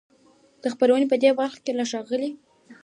د خپرونې په دې برخه کې له ښاغلي